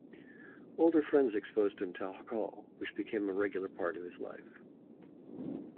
Older friends exposed him to alcohol, which became a regular part of his life.